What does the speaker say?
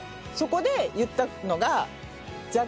そこで言ったのがえっ？